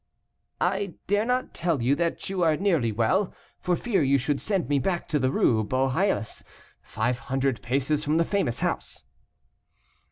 "I dare not tell you that you are nearly well, for fear you should send me back to the Rue Beauheillis, five hundred paces from the famous house."